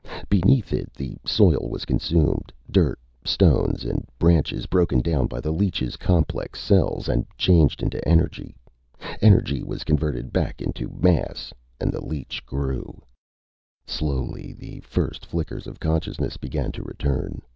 Beneath it, the soil was consumed, dirt, stones and branches broken down by the leech's complex cells and changed into energy. Energy was converted back into mass, and the leech grew. Slowly, the first flickers of consciousness began to return.